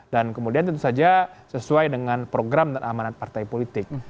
dan kemudian tentu saja sesuai dengan program dan amanat partai politik